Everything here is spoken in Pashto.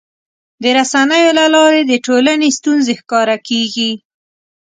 د رسنیو له لارې د ټولنې ستونزې ښکاره کېږي.